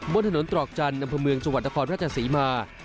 บนถนนตรอกจันทร์อำเภอเมืองจังหวัดนครราชศรีมา